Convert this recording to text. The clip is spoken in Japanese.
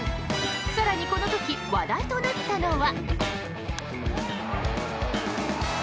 更に、この時話題となったのは。